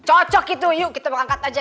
cocok itu yuk kita mengangkat aja